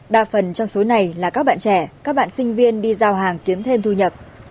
đa phần trong số này là các bạn trẻ các bạn sinh viên đi giao hàng kiếm thêm thu nhập